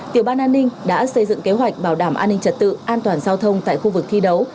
tiểu ban an ninh đã xây dựng kế hoạch bảo đảm an ninh trật tự an toàn giao thông tại khu vực thi đấu